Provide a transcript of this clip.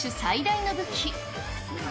最大の武器。